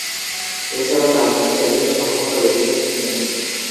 এছাড়াও, ডানহাতে ব্যাটিংয়ে সক্ষমতা দেখিয়েছেন তিনি।